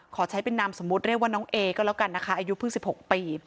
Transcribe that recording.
ขอใช้เป็นนามสมมุติเรียกว่าน้องเอก็แล้วกันนะคะอายุเพิ่ง๑๖ปี